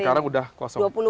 sekarang udah kosong